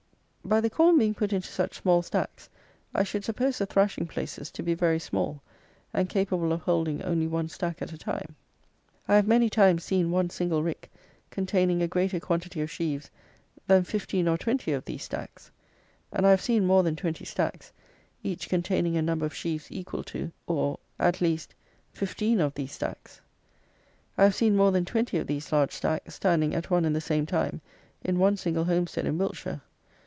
By the corn being put into such small stacks, I should suppose the thrashing places to be very small, and capable of holding only one stack at a time. I have many times seen one single rick containing a greater quantity of sheaves than fifteen or twenty of these stacks; and I have seen more than twenty stacks, each containing a number of sheaves equal to, at least, fifteen of these stacks; I have seen more than twenty of these large stacks, standing at one and the same time, in one single homestead in Wiltshire.